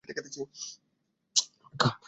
তোমাকে গ্রামটা ঘুরিয়ে দেখাই।